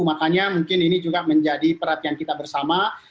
makanya mungkin ini juga menjadi perhatian kita bersama